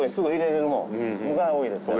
が多いですね。